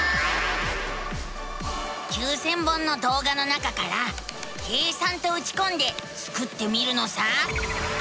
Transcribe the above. ９，０００本のどうがの中から「計算」とうちこんでスクってみるのさ。